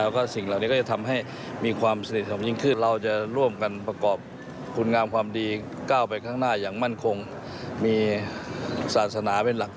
โครงการธรรมยาตราห้าแผ่นดินเริ่มขึ้นวันที่๒๑พฤษภาคมที่ผ่านมา